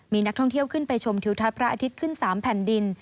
มีนักท่องเที่ยวขึ้นไปชมทิวทัศน์พระอาทิตย์ขึ้น๓แผ่นดิน